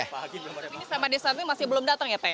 ini sampai saat ini masih belum datang ya pak